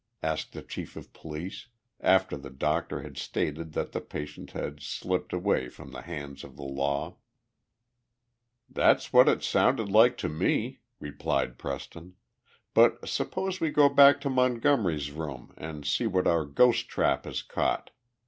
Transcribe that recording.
asked the chief of police, after the doctor had stated that the patient had slipped away from the hands of the law. "That's what it sounded like to me," replied Preston. "But suppose we go back to Montgomery's room and see what our ghost trap has caught.